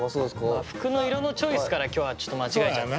服の色のチョイスから今日はちょっと間違えちゃって。